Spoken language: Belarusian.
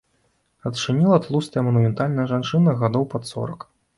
Адчыніла тлустая манументальная жанчына гадоў пад сорак.